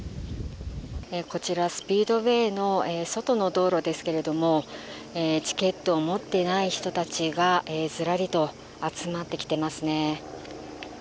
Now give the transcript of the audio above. こちら、スピードウェイの外の道路ですけれども、チケットを持ってない人たちがずらりと集まってきていますね。